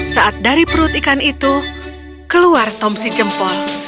saat dari perut ikan itu keluar tom si jempol